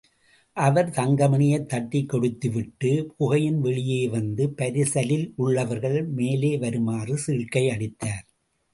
அவர் தங்கமணியைத் தட்டிக் கொடுத்துவிட்டு, குகையின் வெளியே வந்து, பரிசலில் உள்ளவர்களை மேலே வருமாறு சீழ்க்கையடித்தார்.